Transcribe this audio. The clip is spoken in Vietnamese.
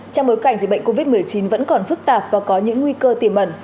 trong bối cảnh dịch bệnh covid một mươi chín vẫn còn phức tạp và có những nguy cơ tiềm ẩn